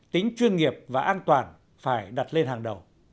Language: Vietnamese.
tính chuyên nghiệp và an toàn phải đặt lên hàng đầu